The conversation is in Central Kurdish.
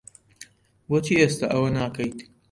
بۆچی ئێستا ئەوە ناکەیت؟